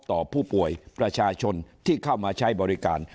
ต่อผู้ป่วยประชาชนที่เข้ามาใช้บริการ